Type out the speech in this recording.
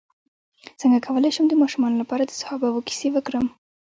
څنګه کولی شم د ماشومانو لپاره د صحابه وو کیسې وکړم